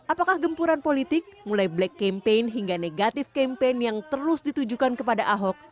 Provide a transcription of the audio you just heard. apakah gempuran politik mulai black campaign hingga negatif campaign yang terus ditujukan kepada ahok